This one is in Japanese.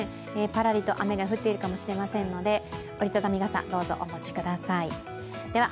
パラリと雨が降っているかもしれませんので、折りたたみ傘、どうぞお持ちください。